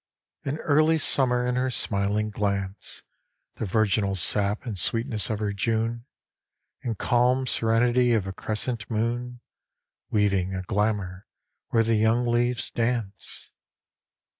An early Summer in her smiling glance, The virginal sap and sweetness of her June, And calm serenity of a crescent moon, Weaving a glamour where the young leaves dance.